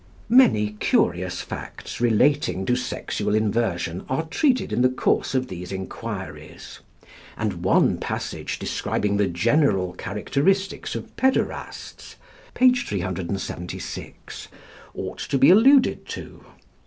Many curious facts relating to sexual inversion are treated in the course of these enquiries; and one passage describing the general characteristics of pæderasts (p. 376) ought to be alluded to.